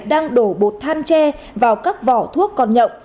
đang đổ bột than tre vào các vỏ thuốc còn nhậu